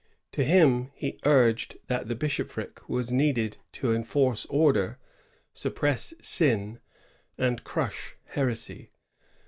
To him he uiged that the bishopric was needed to enforce order, suppress sin, and crush heresy.